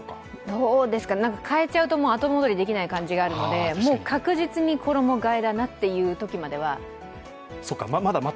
どうですか、変えちゃうともう後戻りできない感じがするので確実に衣がえだなというときまでは、まだ。